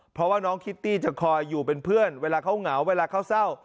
เพราะว่าน้องคิตตี้จะคอยอยู่เป็นเพื่อนเวลาเขาเหงาเวลาเขาเศร้า